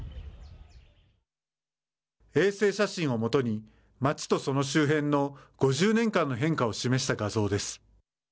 衛星写真を基に町とその周辺の５０年間の変化を示した画像です。